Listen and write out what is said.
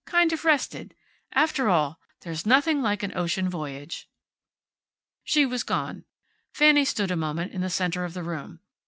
Kind of rested. After all, there's nothing like an ocean voyage." She was gone. Fanny stood a moment, in the center of the room.